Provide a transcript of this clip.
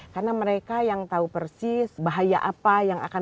karena mereka yang tahu persis bahaya apa yang akan